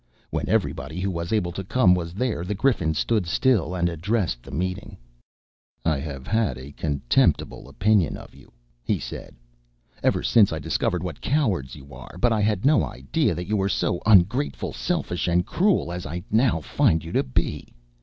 When everybody who was able to come was there the Griffin stood still and addressed the meeting. "I have had a contemptible opinion of you," he said, "ever since I discovered what cowards you are, but I had no idea that you were so ungrateful, selfish, and cruel as I now find you to be.